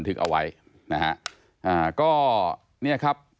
ทางออนไลน์นะครับ